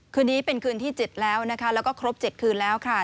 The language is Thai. คืนนี้เป็นคืนที่๗แล้วนะคะแล้วก็ครบ๗คืนแล้วค่ะ